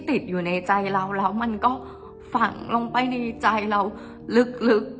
ติดอยู่ในใจเราแล้วมันก็ฝังลงไปในใจเราลึก